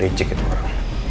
rejek itu orang